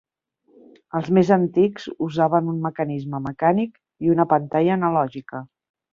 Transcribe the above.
Els més antics usaven un mecanisme mecànic i una pantalla analògica.